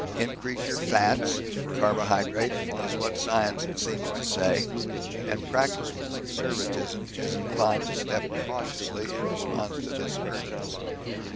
'Increase your fats (carbohydrate)' is what science seems to say, and practice with conservativism is inclined to step cautiously in response to this urgence.